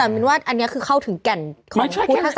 แต่มีนว่าอันนี้คือเข้าถึงแก่นของพูดทางศาสนาจีกจริงนะ